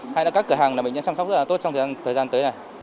hay là các cửa hàng mình sẽ chăm sóc rất là tốt trong thời gian tới này